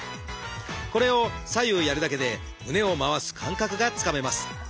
これを左右やるだけで胸を回す感覚がつかめます。